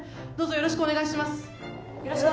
よろしくお願いします